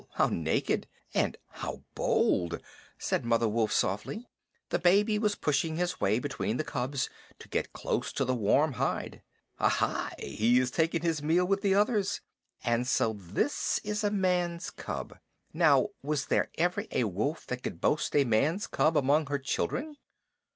How naked, and how bold!" said Mother Wolf softly. The baby was pushing his way between the cubs to get close to the warm hide. "Ahai! He is taking his meal with the others. And so this is a man's cub. Now, was there ever a wolf that could boast of a man's cub among her children?"